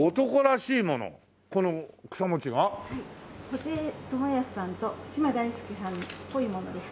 布袋寅泰さんと嶋大輔さんっぽいものです。